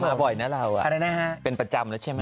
มาบ่อยนะเราเป็นประจำแล้วใช่ไหม